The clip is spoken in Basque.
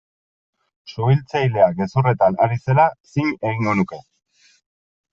Suhiltzailea gezurretan ari zela zin egingo nuke.